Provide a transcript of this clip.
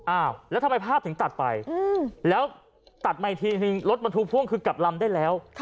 อ้าวแล้วทำไมภาพถึงตัดไปแล้วตัดมาอีกทีหนึ่งรถบรรทุกพ่วงคือกลับลำได้แล้ว